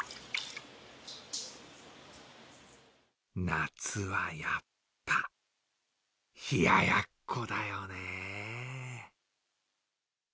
夏はやっぱ、冷ややっこだよね